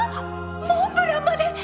モンブランまで。